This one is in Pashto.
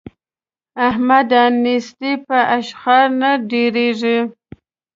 احمده! نېستي په اشخار نه ډېرېږي.